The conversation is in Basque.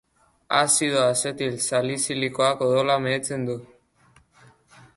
Azido azetil salizilikoak odola mehetzen du.